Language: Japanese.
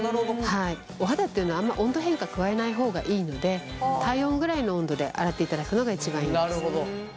お肌っていうのはあんま温度変化加えない方がいいので体温ぐらいの温度で洗っていただくのが一番いいんです。